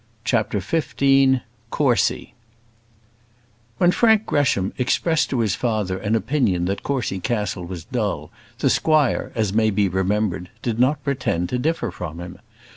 CHAPTER XV Courcy When Frank Gresham expressed to his father an opinion that Courcy Castle was dull, the squire, as may be remembered, did not pretend to differ from him.